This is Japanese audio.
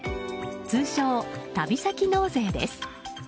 通称、旅先納税です。